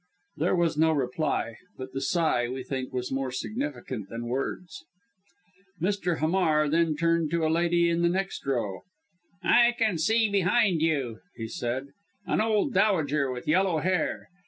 There was no reply but the sigh, we think, was more significant than words. Mr. Hamar then turned to a lady in the next row. "I can see behind you," he said, "an old dowager with yellow hair.